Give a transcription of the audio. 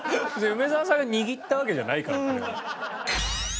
梅澤さんが握ったわけじゃないからこれ。